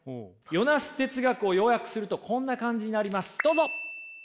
ヨナス哲学を要約するとこんな感じになりますどうぞ。